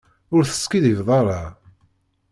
Ur teskiddibeḍ ara.